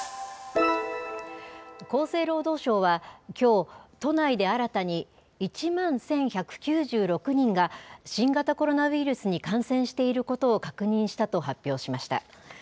厚生労働省はきょう、都内で新たに１万１１９６人が、新型コロナウイルスに感染していることを確認したと発表しました。